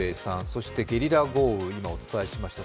そしてゲリラ豪雨、今お伝えしました。